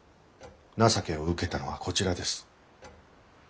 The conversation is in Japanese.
情けを受けたのはこちらです。